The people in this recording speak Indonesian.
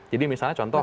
jadi misalnya contoh